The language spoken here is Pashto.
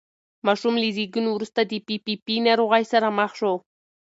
ماشوم له زېږون وروسته د پي پي پي ناروغۍ سره مخ شو.